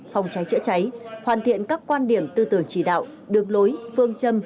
phòng cháy chữa cháy hoàn thiện các quan điểm tư tưởng chỉ đạo đường lối phương châm